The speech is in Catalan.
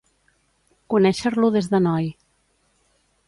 Conèixer-lo des de noi.